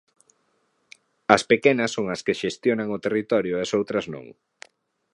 As pequenas son as que xestionan o territorio e as outras non.